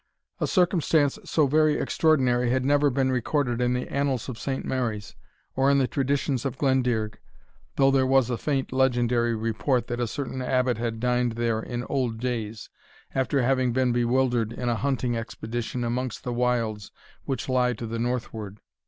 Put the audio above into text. A circumstance so very extraordinary had never been recorded in the annals of Saint Mary's, or in the traditions of Glendearg, though there was a faint legendary report that a certain Abbot had dined there in old days, after having been bewildered in a hunting expedition amongst the wilds which lie to the northward.